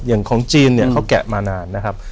อย่างของจีนเนี่ยเขาแกะมานานนะครับ